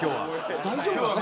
大丈夫か？